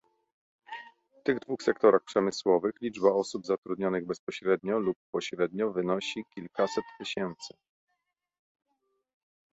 W tych dwóch sektorach przemysłowych liczba osób zatrudnionych bezpośrednio lub pośrednio wynosi kilkaset tysięcy